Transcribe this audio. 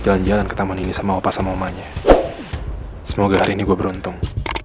jalan jalan ke taman ini sama opa sama omanya semoga hari ini gua beruntung